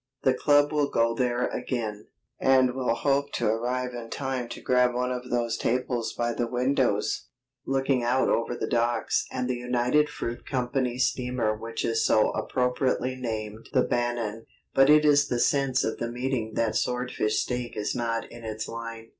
The club will go there again, and will hope to arrive in time to grab one of those tables by the windows, looking out over the docks and the United Fruit Company steamer which is so appropriately named the Banan; but it is the sense of the meeting that swordfish steak is not in its line.